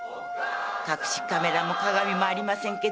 隠しカメラも鏡もありませんけど。